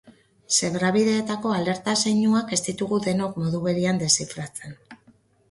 Zebrabideetako alerta zeinuak ez ditugu denok modu berean deszifratzen.